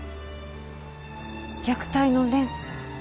虐待の連鎖。